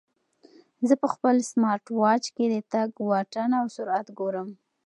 زه په خپل سمارټ واچ کې د تګ واټن او سرعت ګورم.